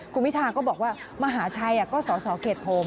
คุณพิธาก็บอกว่ามหาชัยก็สสเขตผม